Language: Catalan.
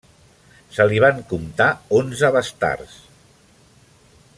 Se li van comptar onze bastards.